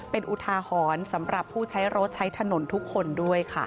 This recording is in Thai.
เป็นอุทาหรณ์สำหรับผู้ใช้รถใช้ถนนทุกคนด้วยค่ะ